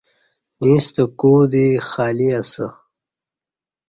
ییݩستہ کوع دی خالی اسہ